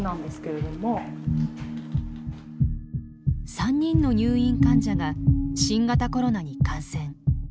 ３人の入院患者が新型コロナに感染。